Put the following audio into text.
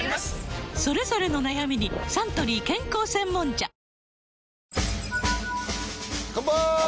それぞれの悩みにサントリー健康専門茶カンパーイ！